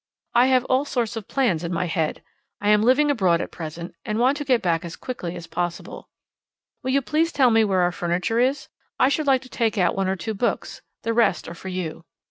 I have all sorts of plans in my head. I am living abroad at present, and want to get back as quickly as possible. Will you please tell me where our furniture is. I should like to take out one or two books; the rest are for you.